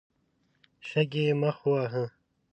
شګې يې مخ وواهه.